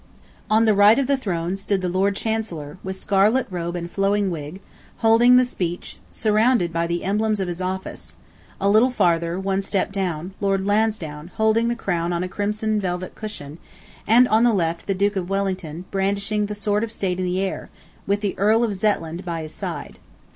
On the right of the throne stood the Lord Chancellor, with scarlet robe and flowing wig, holding the speech, surrounded by the emblems of his office; a little farther, one step lower down, Lord Lansdowne, holding the crown on a crimson velvet cushion, and on the left the Duke of Wellington, brandishing the sword of State in the air, with the Earl of Zetland by his side.